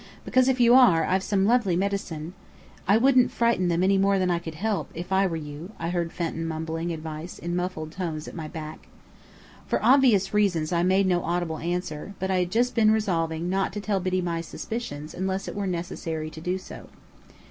"Because if you are, I've some lovely medicine " "I wouldn't frighten them any more than I could help, if I were you," I heard Fenton mumbling advice in muffled tones at my back. For obvious reasons I made no audible answer; but I had just been resolving not to tell Biddy my suspicions unless it were necessary to do so.